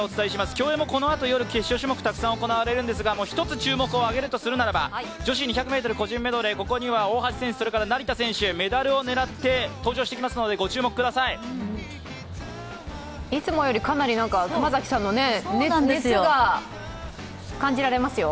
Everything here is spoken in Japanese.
競泳もこのあと夜、決勝種目行われるんですが一つ注目をあげるとするならば女子２００ｍ個人メドレー大橋選手、成田選手メダルを狙って登場しますのでいつもより熊崎さんの熱が感じられますよ。